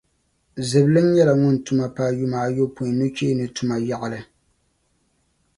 Ziblim nyɛla ŋun tuma paai yuma ayɔpoin nucheeni tuma yaɣili.